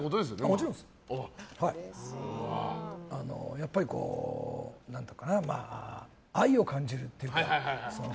やっぱり愛を感じるっていう。